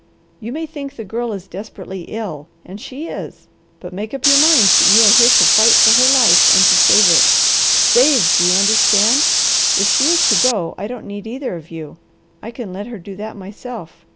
You may think the Girl is desperately ill, and she is, but make up your minds that you are here to fight for her life, and to save it. Save, do you understand? If she is to go, I don't need either of you. I can let her do that myself.